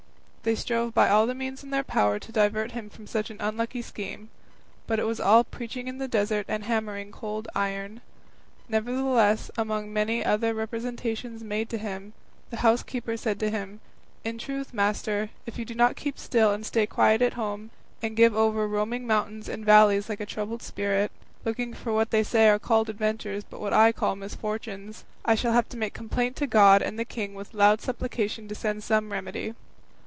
They strove by all the means in their power to divert him from such an unlucky scheme; but it was all preaching in the desert and hammering cold iron. Nevertheless, among many other representations made to him, the housekeeper said to him, "In truth, master, if you do not keep still and stay quiet at home, and give over roaming mountains and valleys like a troubled spirit, looking for what they say are called adventures, but what I call misfortunes, I shall have to make complaint to God and the king with loud supplication to send some remedy."